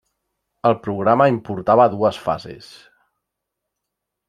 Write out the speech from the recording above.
El programa importava dues fases.